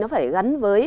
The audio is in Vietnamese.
nó phải gắn với